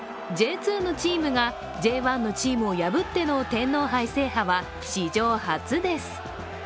Ｊ２のチームがＪ１のチームを破っての天皇杯制覇は史上初です。